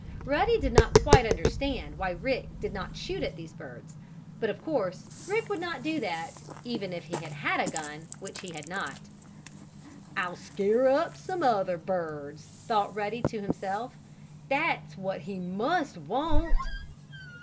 Ruddy did not quite understand why Rick did not shoot at these birds. But of course Rick would not do that, even if he had had a gun; which he had not. "I'll scare up some other birds," said Ruddy to himself. "That's what he must want."